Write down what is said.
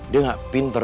dia gak pinter